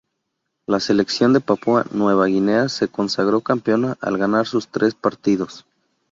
La selección de Papúa Nueva Guinea se consagró campeona al ganar sus tres partidos.